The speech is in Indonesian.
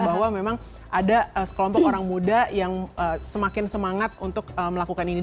bahwa memang ada sekelompok orang muda yang semakin semangat untuk melakukan ini